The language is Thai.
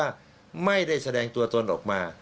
แจ้งตัวตนออกมา